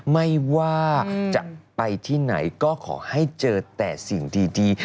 ไม่ว่าจะไปที่ไหนก็ขอให้เจอแต่สิ่งดี